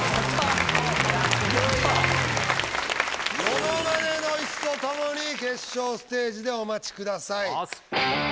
「モノマネ」のイスと共に決勝ステージでお待ちください。